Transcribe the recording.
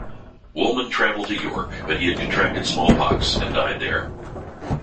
Woolman traveled to York, but he had contracted smallpox and died there.